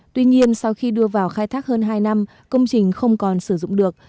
tuy nhiên sau khi đưa vào khai thác hơn hai năm công trình không còn sử dụng được